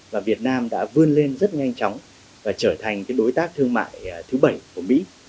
và việt nam đã vươn lên rất nhanh chóng và trở thành đối tác thương mại thứ bảy của mỹ